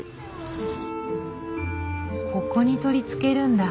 ここに取り付けるんだ。